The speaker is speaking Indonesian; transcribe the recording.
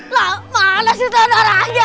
lah mana sutradara aja